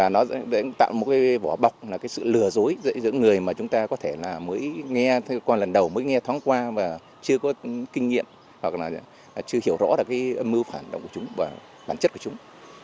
nó sẽ tạo một bỏ bọc lừa dối giữa những người mà chúng ta mới nghe tháng qua chưa có kinh nghiệm chưa hiểu rõ mưu phản động và bản chất của chúng